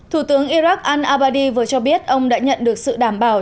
thủ tướng iraq al abadi vừa cho biết ông đã nhận được sự đảm bảo